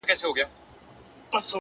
هسي نه هغه باور ـ